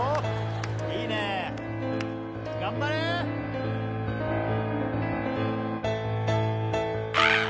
いいね頑張れ！Ａｕ！